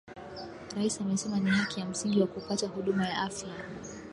Rais amesema ni haki ya msingi wa kupata huduma ya afya